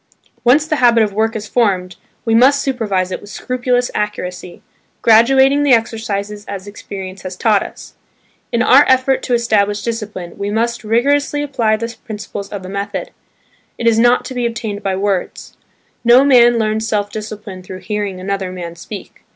Once the habit of work is formed, we must supervise it with scrupulous accuracy, graduating the exercises as experience has taught us. In our effort to establish discipline, we must rigorously apply the principles of the method. It is not to be obtained by words; no man learns self discipline "through hearing another man speak."